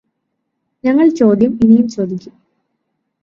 ഞങ്ങൾ ചോദ്യം ഇനിയും ചോദിക്കും.